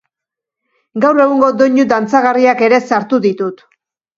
Gaur egungo doinu dantzagarriak ere sartu ditut.